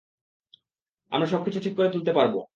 আমরা সবকিছু ঠিক করে তুলতে পারবো।